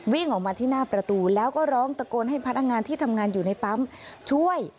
วิ่งออกมาที่หน้าประตูแล้วก็ร้องตะโกนให้พนักงานที่ทำงานอยู่ในปั๊มช่วย